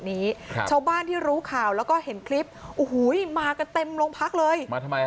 นี้ชาวบ้านที่รู้ข่าวแล้วก็เห็นคลิปมากันเต็มโรงพักเลย